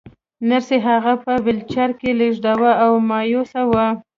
نرسې هغه په ويلچر کې لېږداوه او مايوسه وه.